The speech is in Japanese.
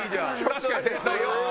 確かに繊細。